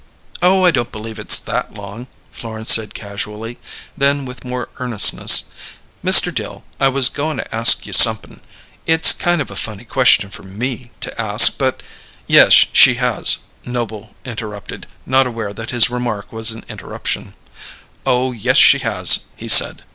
"Oh, I don't believe it's that long," Florence said casually; then with more earnestness: "Mr. Dill, I was goin' to ask you somep'n it's kind of a funny question for me to ask, but " "Yes, she has," Noble interrupted, not aware that his remark was an interruption. "Oh, yes, she has!" he said.